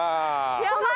やばい！